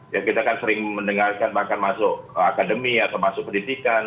ya kita kan sering mendengarkan bahkan masuk akademi atau masuk pendidikan